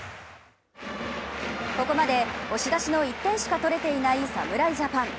ここまで押し出しの１点しか取れていない侍ジャパン。